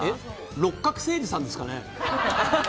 六角精児さんですかね？